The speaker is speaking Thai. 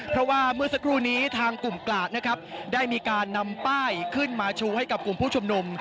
เพราะว่าเมื่อสักครู่นี้ทางกลุ่มกลาดนะครับได้มีการนำป้ายขึ้นมาชูให้กับกลุ่มผู้ชุมนุม